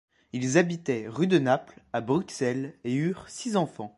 Ils habitaient rue de Naples, à Bruxelles, et eurent six enfants.